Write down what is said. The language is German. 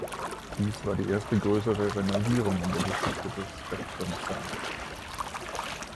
Dies war die erste größere Renovierung in der Geschichte des Spectrum Center.